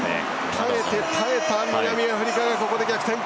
耐えて耐えた南アフリカがここで逆転。